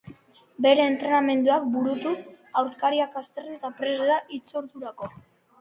Bere entrenamenduak burutu, aurkariak aztertu eta prest da hitzordurako.